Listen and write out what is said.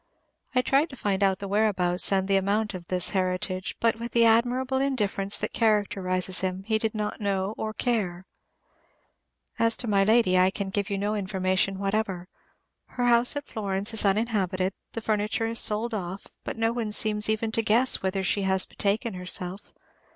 I tried to find out the whereabouts and the amount of this heritage; but, with the admirable indifference that characterizes him, he did not know or care. As to my Lady, I can give you no information whatever. Her house at Florence is uninhabited, the furniture is sold off; but no one seems even to guess whither she has betaken herself.